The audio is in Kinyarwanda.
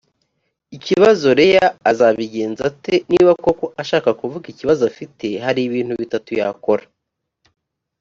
ikibazo leah azabigenza ate niba koko ashaka kuvuga ikibazo afite hari ibintu bitatu yakora